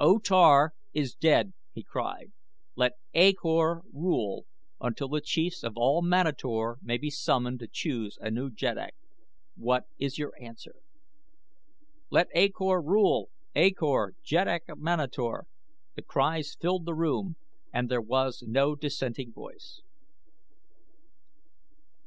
"O Tar is dead!" he cried. "Let A Kor rule until the chiefs of all Manator may be summoned to choose a new jeddak. What is your answer?" "Let A Kor rule! A Kor, Jeddak of Manator!" The cries filled the room and there was no dissenting voice.